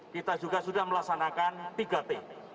kita juga sudah melaksanakan tiga t